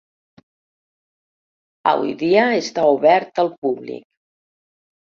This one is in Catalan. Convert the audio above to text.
Avui dia està obert al públic.